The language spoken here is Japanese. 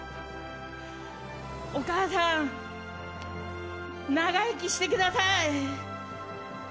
お母さん、長生きしてください！